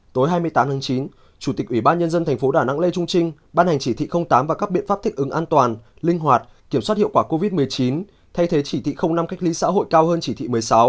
tối hai mươi tám tháng chín chủ tịch ủy ban nhân dân tp đà nẵng lê trung trinh ban hành chỉ thị tám và các biện pháp thích ứng an toàn linh hoạt kiểm soát hiệu quả covid một mươi chín thay thế chỉ thị năm cách ly xã hội cao hơn chỉ thị một mươi sáu